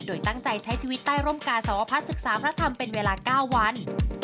โดยตั้งใจใช้ชีวิตใต้ร่มกาสวพัฒน์ศึกษาพระธรรมเป็นเวลา๙วัน